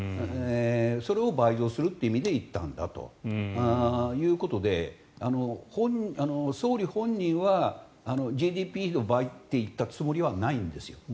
それを倍増するという意味で言ったんだということで総理本人はＧＤＰ比の倍と言ったつもりはないんですよ。